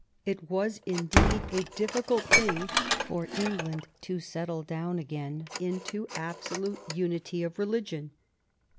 It was, indeed, a difficult thing for England to settle down again into absolute unity in religion.